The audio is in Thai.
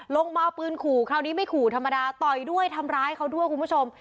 มาเอาปืนขู่คราวนี้ไม่ขู่ธรรมดาต่อยด้วยทำร้ายเขาด้วยคุณผู้ชม